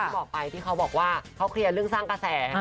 บอกไปที่เขาบอกว่าเขาเคลียร์เรื่องสร้างกระแส